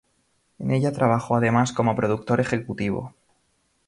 En ella trabajó además como productor ejecutivo.